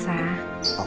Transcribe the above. sayang ini ada paket